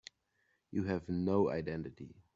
You have no identity.